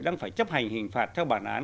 đang phải chấp hành hình phạt theo bản án